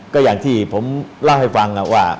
ก็อย่างที่ผมเล่าให้ฟังว่า